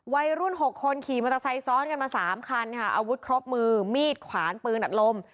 วัยรุ่น๖คนขี่มอเตอร์ไซค์ซ้อนกันมา๓คันค่ะอาวุธครบมือมีดขวานปืนอัดลม